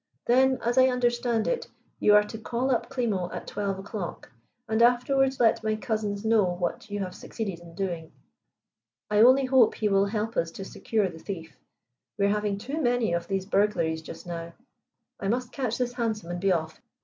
"Then, as I understand it, you are to call up Klimo at twelve o'clock, and afterwards let my cousins know what you have succeeded in doing. I only hope he will help us to secure the thief. We are having too many of these burglaries just now. I must catch this hansom and be off.